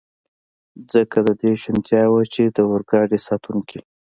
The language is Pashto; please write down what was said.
ځکه د دې شونتیا وه، چې د اورګاډي ساتونکي.